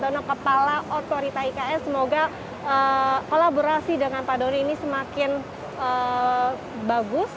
bapak bambang susana kepala otoritas iks semoga kolaborasi dengan pak doni ini semakin bagus